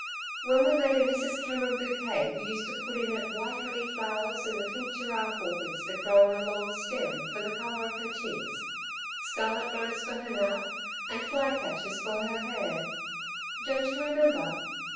When we made a Mrs. Cameron bouquet, we used to put in it white honey flowers and the pink giraffe orchids that grow on a long stem, for the colour of her cheeks, scarlet runners for her mouth, and fly catchers for her hair. Don't you remember?